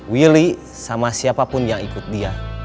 willy sama siapapun yang ikut dia